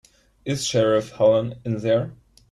Is Sheriff Helen in there?